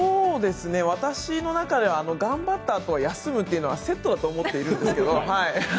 私の中では頑張ったあと休むというのはセットだと思っているんですけど。